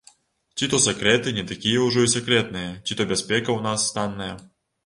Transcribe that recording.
Ці то сакрэты не такія ўжо і сакрэтныя, ці то бяспека ў нас танная.